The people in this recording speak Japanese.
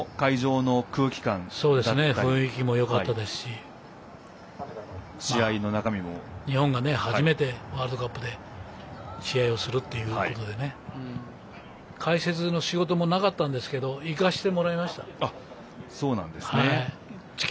雰囲気もよかったですし日本が初めてワールドカップで試合をするということで解説の仕事もなかったんですけど行かせてもらいましたね私は。